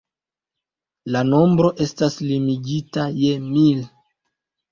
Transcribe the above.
La nombro estas limigita je mil.